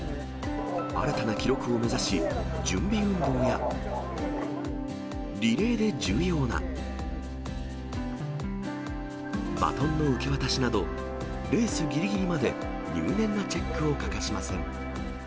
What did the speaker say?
新たな記録を目指し、準備運動や、リレーで重要なバトンの受け渡しなど、レースぎりぎりまで入念なチェックを欠かしません。